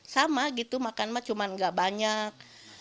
sama gitu makan mah cuma nggak banyak